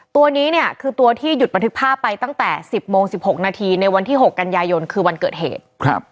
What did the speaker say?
ตัวนี้เนี่ยคือตัวที่หยุดบันทึกภาพไปตั้งแต่๑๐โมง๑๖นาทีในวันที่๖กันยายนคือวันเกิดเหตุ